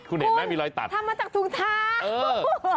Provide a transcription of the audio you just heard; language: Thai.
ทำมาจากถุงเท้า